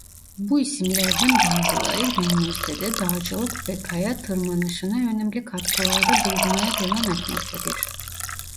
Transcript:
Bu isimlerden bazıları günümüzde de dağcılık ve kaya tırmanışına önemli katkılarda bulunmaya devam etmektedir.